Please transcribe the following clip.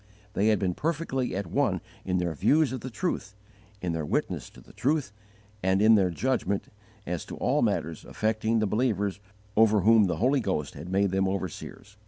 They had been perfectly at one in their views of the truth, in their witness to the truth, and in their judgment as to all matters affecting the believers over whom the Holy Ghost had made them overseers.